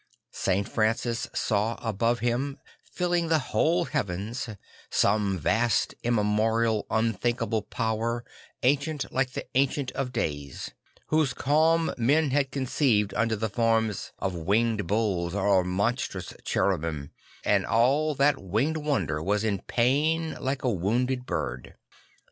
St. Francis saw above him, filling the whole heavens, some vast immemorial unthinkable power, ancient like the Ancient of Days, whose calm men had conceived under the forms of winged bulls or monstrous cherubim, and all that winged wonder was in pain like a wounded bird.